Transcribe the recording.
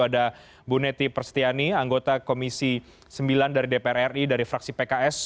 ada bu neti perstiani anggota komisi sembilan dari dpr ri dari fraksi pks